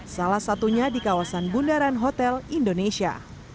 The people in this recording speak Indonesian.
salah satunya di kawasan bundaran hotel indonesia